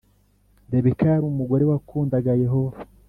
Rebeka yari umugore wakundaga Yehova